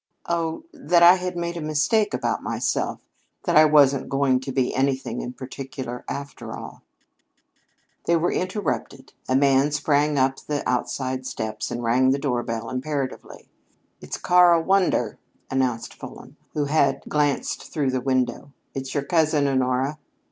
"Oh, that I had made a mistake about myself that I wasn't going to be anything in particular, after all." They were interrupted. A man sprang up the outside steps and rang the doorbell imperatively. "It's Karl Wander," announced Fulham, who had glanced through the window. "It's your cousin, Honora."